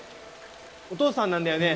お父さんなんだよね？